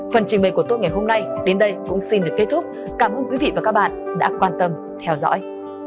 phần trình bày của tôi ngày hôm nay đến đây cũng xin được kết thúc cảm ơn quý vị và các bạn đã quan tâm theo dõi